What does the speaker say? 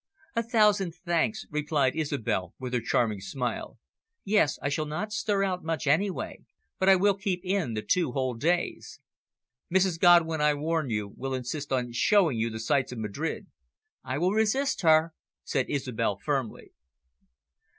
"A thousand thanks," replied Isobel, with her charming smile. "Yes, I shall not stir out much anyway. But I will keep in the two whole days." "Mrs Godwin, I warn you, will insist on showing you the sights of Madrid." "I will resist her," said Isobel firmly.